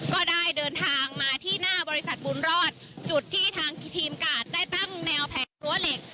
ก็ได้เดินทางมาที่หน้าบริษัทบุญรอดจุดที่ทางทีมกาดได้ตั้งแนวแผงรั้วเหล็ก